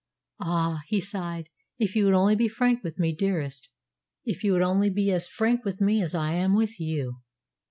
"Ah," he sighed, "if you would only be frank with me, dearest if you would only be as frank with me as I am with you!"